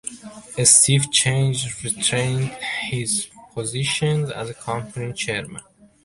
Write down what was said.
Steve Chang retained his position as company chairman.